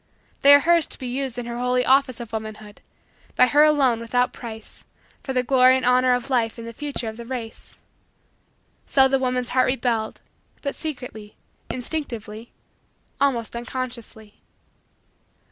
They are hers to be used in her holy office of womanhood; by her alone, without price, for the glory and honor of life and the future of the race. So the woman's heart rebelled, but secretly, instinctively, almost unconsciously.